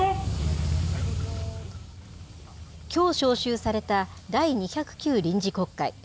きょう召集された第２０９臨時国会。